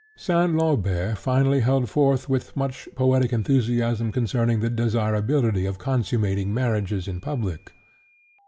Saint Lambert finally held forth with much poetic enthusiasm concerning the desirability of consummating marriages in public.